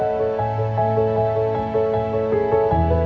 แปลก